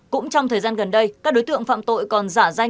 cũng trong thời gian gần đây các đối tượng phạm tội còn giả danh